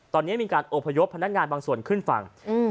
ตอนนี้มีการอบพยพพนักงานบางส่วนขึ้นฝั่ง